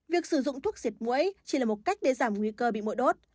việc sử dụng thuốc diệt mũi chỉ là một cách để giảm nguy cơ bị mũi đốt